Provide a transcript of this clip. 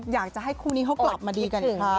อยากจะให้คู่นี้เขากลับมาดีกันค่ะ